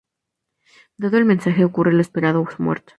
Dado el mensaje, ocurre lo esperado, su muerte.